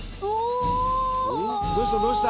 どうした？